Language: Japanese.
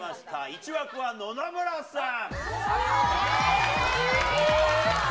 １枠は野々村さん。